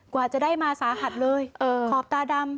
กว่าจะได้มาสาหัสเลยขอบตาดำ